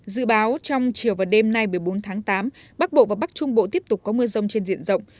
dự báo trong chiều và đêm nay một mươi bốn tháng tám bắc bộ và bắc trung bộ tiếp tục có mưa rông trên diện rộng